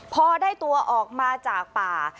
พอได้ตัวออกมาจากป่า